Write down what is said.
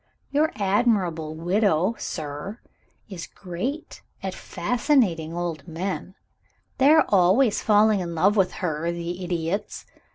Your admirable widow, sir, is great at fascinating old men; they are always falling in love with her, the idiots!